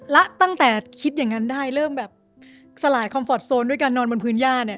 แล้วตั้งแต่คิดอย่างนั้นได้เริ่มแบบสลายคอมฟอร์ตโซนด้วยการนอนบนพื้นย่าเนี่ย